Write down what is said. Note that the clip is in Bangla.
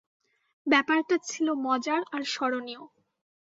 ব্যাপারটা ছিল মজার আর স্মরণীয়।